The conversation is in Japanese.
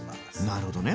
なるほどね。